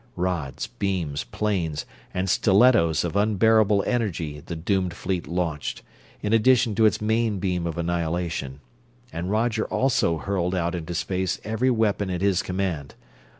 Rods, beams, planes, and stilettoes of unbearable energy the doomed fleet launched, in addition to its main beam of annihilation, and Roger also hurled out into space every weapon at his command.